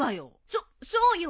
そっそうよ。